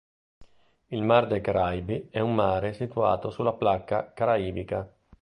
Il Mar dei Caraibi è un mare situato sulla Placca caraibica.